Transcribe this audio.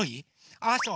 ああそう。